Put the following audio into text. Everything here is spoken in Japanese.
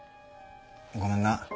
ごめんな。